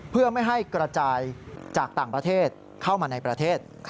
เพื่อไม่ให้กระจายจากต่างประเทศเข้ามาในประเทศ